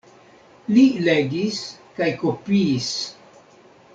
Li legis kaj kopiis.